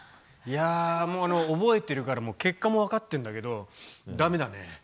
もう覚えているから結果も分かってるんだけど、だめだね。